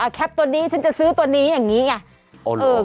อ่าแคปตัวนี้ฉันจะซื้อตัวนี้อย่างงี้อ่ะเออ